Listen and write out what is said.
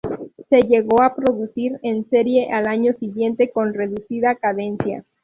Se llegó a producir en serie al año siguiente, con reducida cadencia.